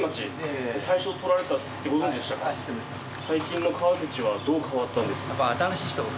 最近の川口はどう変わったんですか？